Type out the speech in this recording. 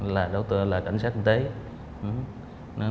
là cảnh sát kinh tế